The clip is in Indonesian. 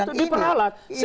ya itu diperalat